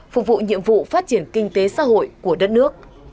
phục vụ nhiệm vụ phát triển kinh tế xã hội của đất nước